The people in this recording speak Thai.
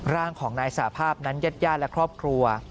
ร่างของนายสหภาพนั้นยัดย่านและครอบครัว